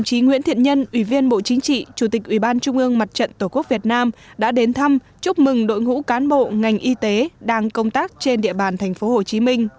chủ tịch ủy viên bộ chính trị chủ tịch ủy ban trung ương mặt trận tổ quốc việt nam đã đến thăm chúc mừng đội ngũ cán bộ ngành y tế đang công tác trên địa bàn tp hcm